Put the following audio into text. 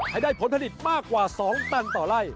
ให้ได้ผลผลิตมากกว่า๒ตันต่อไล่